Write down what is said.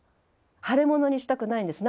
腫れ物にしたくないんです。